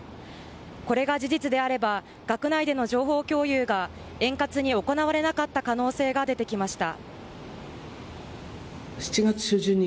これが事実であれば学内での情報共有が円滑に行われなかった可能性が出てきました。